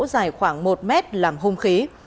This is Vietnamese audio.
dài khoảng một mét làm hung khí